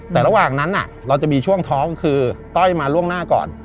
แต่ระหว่างนั้นเราจะมีช่วงท้องคือต้อยมาล่วงหน้าก่อน